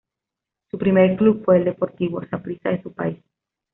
Su primer club fue el Deportivo Saprissa de su país.